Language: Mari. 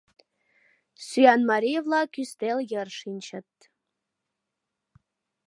Сӱанмарий-влак ӱстел йыр шинчыт.